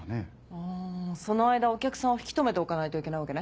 あその間お客さんを引き留めておかないといけないわけね。